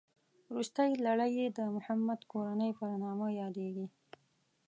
روستۍ لړۍ یې د محمد کورنۍ په نامه یادېږي.